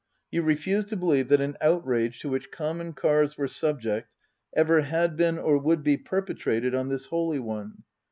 You refused to believe that an outrage to which common cars were subject ever had been or would be perpetrated on this holy one.